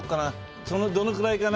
どのくらいかな？